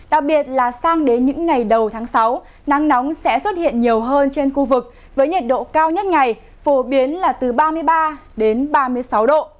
đặc biệt là sang đến những ngày đầu tháng sáu nắng nóng sẽ xuất hiện nhiều hơn trên khu vực với nhiệt độ cao nhất ngày phổ biến là từ ba mươi ba đến ba mươi sáu độ